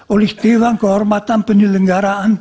oleh dewan kehormatan penyelenggaraan